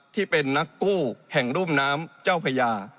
ที่เป็นนักกู้แห่งรุ่มน้ำเจ้าพญา